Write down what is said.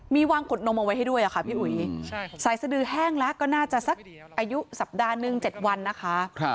มีวางกดนมเอาไว้ให้ด้วยค่ะพี่อุ๋ยสายสดือแห้งแล้วก็น่าจะสักอายุสัปดาห์หนึ่ง๗วันนะคะ